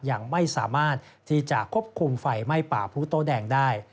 ยังไม่สามารถที่จะควบคุมไฟไหม้ป่าผู้โต้แดงได้